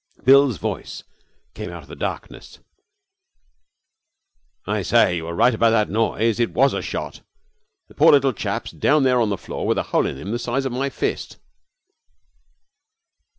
Bill's voice came out of the darkness: 'I say, you were right about that noise. It was a shot. The poor little chap's down there on the floor with a hole in him the size of my fist.'